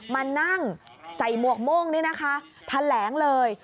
มานั่งใส่หมวกโม่งนี่นะคะแถลงเลย